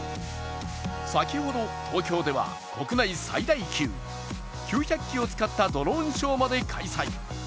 先ほど、東京では国内最大級９００機を使ったドローンショーまで開催。